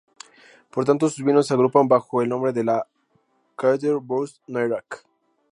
Por tanto sus vinos se agrupan bajo el nombre de Château Broustet-Nairac.